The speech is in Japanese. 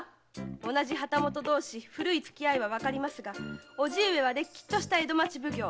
同じ旗本同士古いつき合いはわかりますが叔父上はれっきとした江戸町奉行。